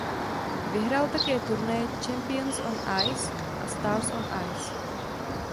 Vyhrál také turnaje "Champions on Ice" a "Stars on Ice".